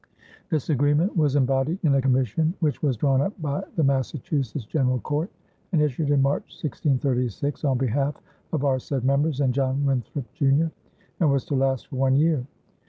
This agreement was embodied in a commission which was drawn up by the Massachusetts General Court and issued in March, 1636, "on behalf of our said members and John Winthrop, Jr.," and was to last for one year.